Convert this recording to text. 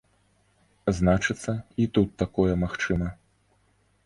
Значыцца, і тут такое магчыма.